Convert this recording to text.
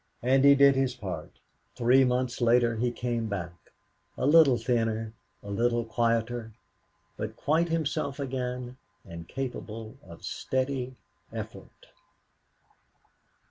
And he did his part. Three months later he came back a little thinner, a little quieter, but quite himself again and capable of steady effort.